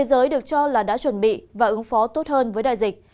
thế giới được cho là đã chuẩn bị và ứng phó tốt hơn với đại dịch